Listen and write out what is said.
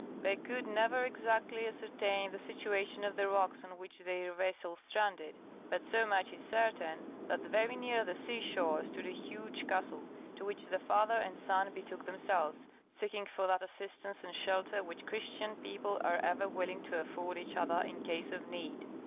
They could never exactly ascertain the situation of the rocks on which their vessel stranded; but so much is certain, that very near the sea shore stood a huge castle, to which the father and son betook themselves, seeking for that assistance and shelter which Christian people are ever willing to afford each other in case of need.